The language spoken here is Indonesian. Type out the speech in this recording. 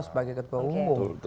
sebagai ketua umum